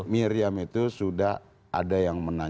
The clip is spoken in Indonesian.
miriam itu sudah ada yang menang